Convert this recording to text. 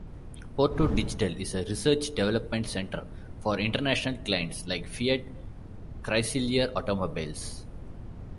Porto Digital is a research development center for international clients like Fiat Chrysler Automobiles.